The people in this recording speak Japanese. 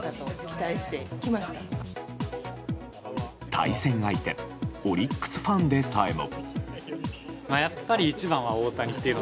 対戦相手オリックスファンでさえも。